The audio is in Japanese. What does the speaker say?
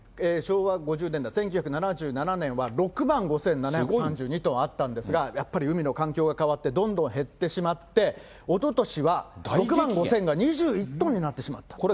昭和５０年・１９７７年は６万５７３２トンあったんですが、やっぱり海の環境が変わって、どんどん減ってしまって、おととしは６万５０００が２１トンになってしまった。